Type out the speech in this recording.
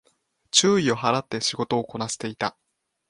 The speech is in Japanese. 注意を払って仕事をこなしていた